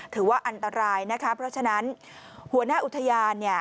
ถือว่าอันตรายนะคะเพราะฉะนั้นหัวหน้าอุทยานเนี่ย